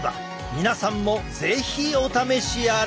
皆さんも是非お試しあれ！